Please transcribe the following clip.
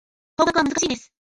法学は難しいです。